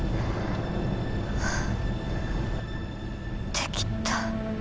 できた。